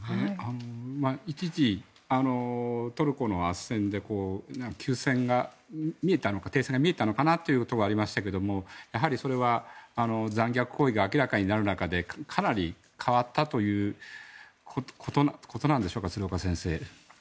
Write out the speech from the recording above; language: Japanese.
一時、トルコのあっせんで停戦が見えたのかなというところがありましたけれどもやはりそれは残虐行為が明らかになる中でかなり変わったということなんでしょうか鶴岡先生。